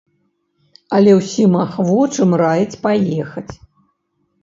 Але ўсім ахвочым раіць паехаць.